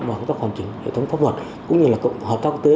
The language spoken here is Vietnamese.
và công tác hoàn chỉnh hệ thống pháp luật